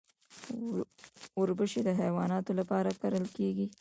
وربشې د حیواناتو لپاره کرل کیږي.